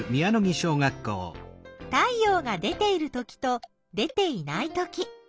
太陽が出ているときと出ていないとき。